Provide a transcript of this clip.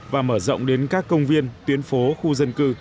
và mở rộng đến các công viên tuyến phố khu dân cư